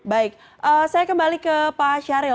baik saya kembali ke pak syahril